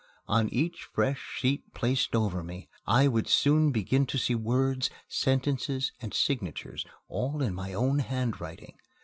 On each fresh sheet placed over me I would soon begin to see words, sentences, and signatures, all in my own handwriting.